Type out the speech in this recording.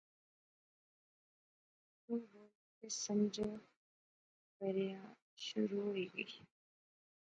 کُکو بولے تے سمجھو بریا شروع ہوئی غَئی